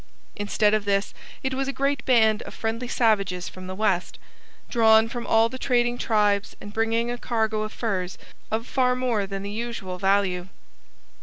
Instead of this it was a great band of friendly savages from the West, drawn from all the trading tribes and bringing a cargo of furs of far more than the usual value.